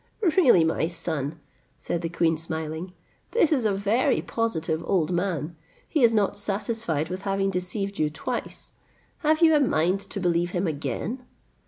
"Really, my son," said the queen smiling, "this is a very positive old man; he is not satisfied with having deceived you twice: have you a mind to believe him again?"